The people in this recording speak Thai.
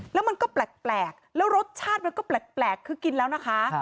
แล้วมันก็แปลกแล้วรสชาติมันก็แปลกคือกินแล้วนะคะ